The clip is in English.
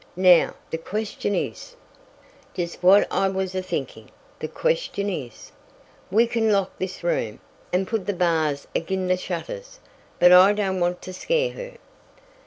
Now, the question is " "Jest what I was a thinkin': The question is " "We kin lock this room and put the bars ag'in the shutters. But I don't want to scare her."